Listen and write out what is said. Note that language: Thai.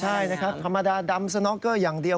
ใช่นะครับธรรมดาดำสน็อกเกอร์อย่างเดียว